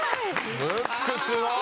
ムックすごい。